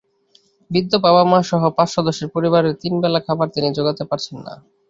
বৃদ্ধ মা-বাবাসহ পাঁচ সদস্যের পরিবারের তিন বেলা খাবার তিনি জোগাতে পারছেন না।